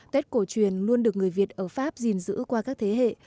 tết cổ truyền luôn được người việt ở pháp gìn giữ qua các thế hệ